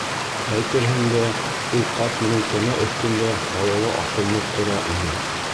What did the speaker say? Әйтерһең дә, ул ҡарт менән кәмә өҫтөндә һауала аҫылынып тора ине.